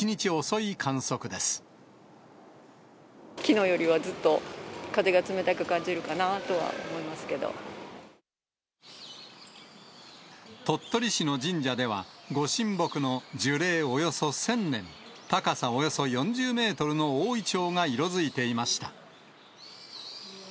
きのうよりはずっと風が冷た鳥取市の神社では、ご神木の樹齢およそ１０００年、高さおよそ４０メートルの大イチョウが色づいていました。